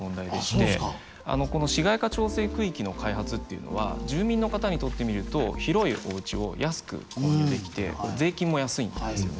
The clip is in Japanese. この市街化調整区域の開発っていうのは住民の方にとってみると広いおうちを安く購入できて税金も安いんですよね。